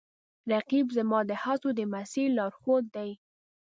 رقیب زما د هڅو د مسیر لارښود دی